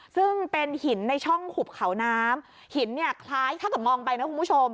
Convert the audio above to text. ซึ่งเป็นหินในช่องหุบเขาน้ำหินเนี่ยคล้ายเท่ากับมองไปนะคุณผู้ชม